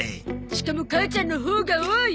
しかも母ちゃんのほうが多い。